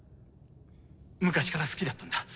昔から好きだったんだ。